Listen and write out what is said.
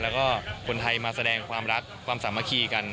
แล้วก็คนไทยมาแสดงความรักความสามัคคีกัน